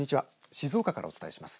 静岡からお伝えします。